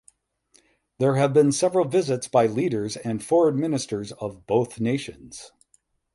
There have been several visits by leaders and Foreign Ministers of both nations.